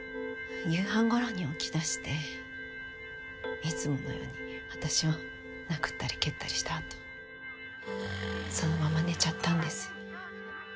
夕飯頃に起きだしていつものように私を殴ったり蹴ったりしたあとそのまま寝ちゃったんです。